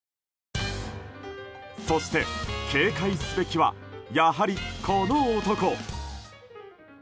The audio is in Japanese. そして警戒すべきはやはり、この男。